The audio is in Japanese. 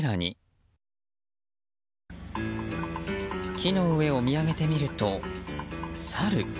木の上を見上げてみると、サル。